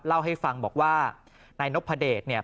เล่าให้ฟังบอกว่านายนพเดชเนี่ย